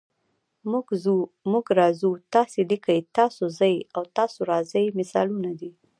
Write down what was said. موږ ځو، موږ راځو، تاسې لیکئ، تاسو ځئ او تاسو راځئ مثالونه دي.